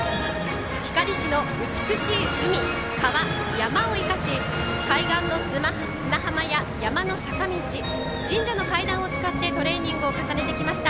光市の美しい海、川、山を生かし海岸の砂浜や山の坂道神社の階段を使ってトレーニングを重ねてきました。